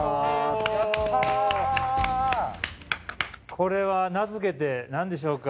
これは名づけて何でしょうか？